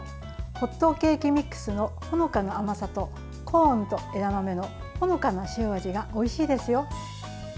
ホットケーキミックスのほのかな甘さとコーンと枝豆のほのかな塩味がおいしいですよ。